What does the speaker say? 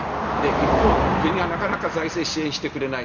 一方、国はなかなか財政支援してくれない。